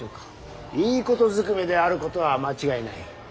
いいことずくめであることは間違いない。